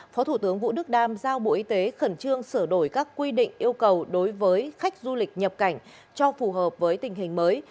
phó thủ tướng vũ đức đam giao bộ y tế khẩn trương sửa đổi các quy định yêu cầu đối với khách du lịch nhập cảnh cho phù hợp với tình hình mới